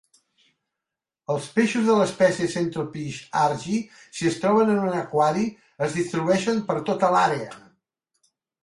Els peixos de l'espècie 'Centropyge argi', si es troben en un aquari, es distribueixen per tota l'àrea.